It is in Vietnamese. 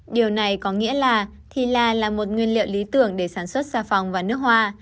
điều này có nghĩa là thì la là một nguyên liệu lý tưởng để sản xuất xa phòng và nước hoa